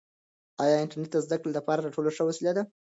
آیا انټرنیټ د زده کړې لپاره تر ټولو ښه وسیله ده؟